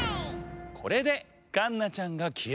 これでかんなちゃんがきえました！